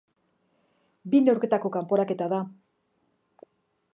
Bi neurketako kanporaketa da.